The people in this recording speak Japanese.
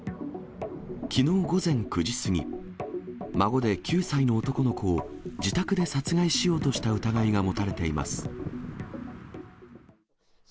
きのう午前９時過ぎ、孫で９歳の男の子を自宅で殺害しようとした疑いが持たれています。